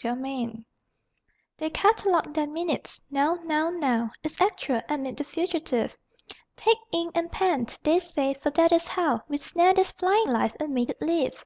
_) DIARISTS They catalogue their minutes: Now, now, now, Is Actual, amid the fugitive; Take ink and pen (they say) for that is how We snare this flying life, and make it live.